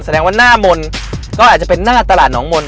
แสดงว่าหน้ามนต์ก็อาจจะเป็นหน้าตลาดน้องมนต